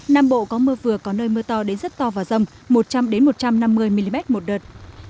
nam bộ có mưa vừa có nơi mưa to đến rất to và rông một trăm linh một trăm năm mươi mm một đợt